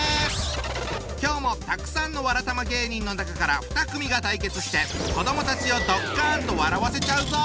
今日もたくさんのわらたま芸人の中から２組が対決して子どもたちをドッカンと笑わせちゃうぞ！